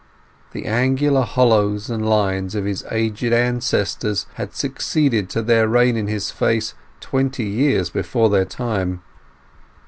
The angular hollows and lines of his aged ancestors had succeeded to their reign in his face twenty years before their time.